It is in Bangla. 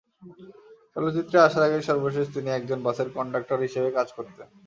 চলচ্চিত্রে আসার আগে সর্বশেষ তিনি একজন বাসের কন্ডাক্টর হিসেবে কাজ করতেন।